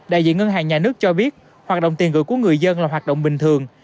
đại diện ngân hàng nhà nước cho biết hoạt động tiền gửi của người dân là hoạt động bình thường